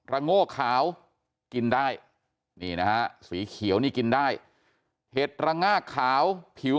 โง่ขาวกินได้นี่นะฮะสีเขียวนี่กินได้เห็ดระงากขาวผิว